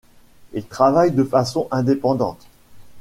Il travaille de façon indépendante.